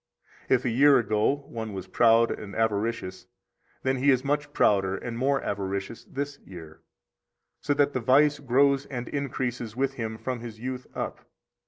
70 If a year ago one was proud and avaricious, then he is much prouder and more avaricious this year, so that the vice grows and increases with him from his youth up.